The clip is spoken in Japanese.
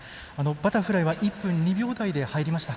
バタフライは１分２秒台で入りました。